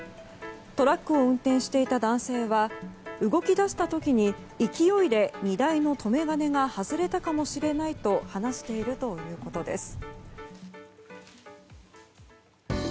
トラックを運転していた男性は動き出した時に勢いで、荷台の留め金が外れたかもしれないと話しているということです。